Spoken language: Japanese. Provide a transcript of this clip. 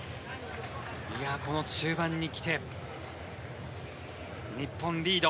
この中盤に来て日本リード。